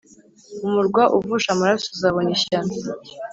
Umurwa uvusha amaraso uzabona ishyano